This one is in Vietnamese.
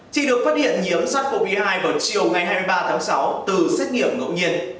chị được phát hiện nhiễm sars cov hai vào chiều ngày hai mươi ba tháng sáu từ xét nghiệm ngẫu nhiên